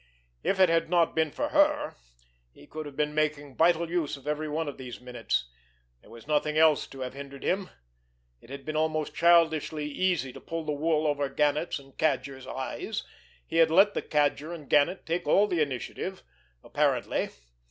If it had not been for her, he could have been making vital use of every one of these minutes! There was nothing else to have hindered him! It had been almost childishly easy to pull the wool over Gannet's and the Cadger's eyes. He had let the Cadger and Gannet take all the initiative—apparently.